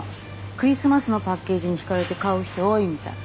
クリスマスのパッケージに惹かれて買う人多いみたい。